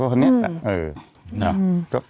เออคนนี้แหละ